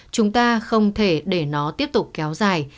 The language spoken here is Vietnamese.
chúng ta không thể để nó tiếp tục kéo dài